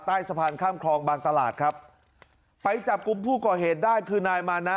ใต้สะพานข้ามคลองบางตลาดครับไปจับกลุ่มผู้ก่อเหตุได้คือนายมานะ